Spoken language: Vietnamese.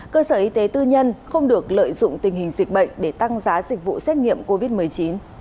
cơ sở y tế tư nhân không được lợi dụng tình hình dịch bệnh để tăng giá dịch vụ xét nghiệm covid một mươi chín